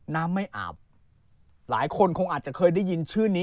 น้ำไม่อาบหลายคนคงอาจจะเคยได้ยินชื่อนี้